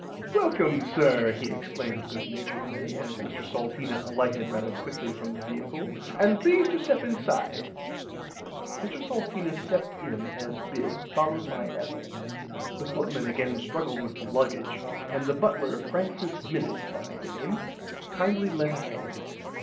Welcome sir he exclaimed good naturedly as Mr Salteena alighted rarther quickly from the viacle and please to step inside. Mr Salteena stepped in as bid followed by Ethel. The footman again struggled with the luggage and the butler Francis Minnit by name kindly lent a hand.